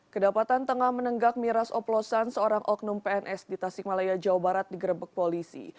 kedapatan tengah menenggak miras oplosan seorang oknum pns di tasikmalaya jawa barat digerebek polisi